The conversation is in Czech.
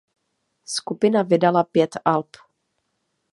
Skupina vydala pět alb.